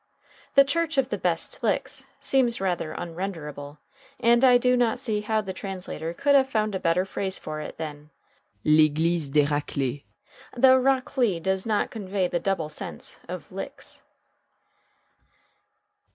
"The Church of the Best Licks" seems rather unrenderable, and I do not see how the translator could have found a better phrase for it than "L'Eglise des Raclées" though "raclées" does not convey the double sense of "licks."